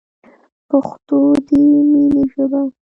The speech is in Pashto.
پښتو دی مینی ژبه